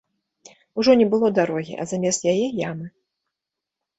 Ужо не было дарогі, а замест яе ямы.